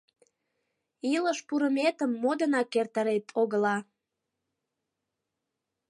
— Илыш пурыметым модынак эртарет-огыла.